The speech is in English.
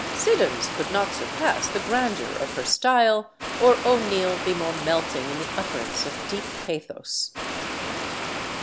Siddons could not surpass the grandeur of her style or O'Neil be more melting in the utterance of deep pathos.